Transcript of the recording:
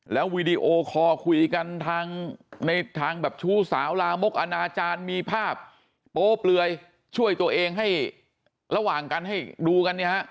แล้ววีดีโอคอร์คุยกันทางในทางแบบชู้สาวลามกอนาจารย์มีภาพโป๊เปลือยช่วยตัวเองให้ระหว่างกันให้ดูกันเนี่ยฮะ